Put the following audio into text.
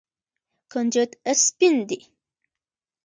کنجد سپین دي.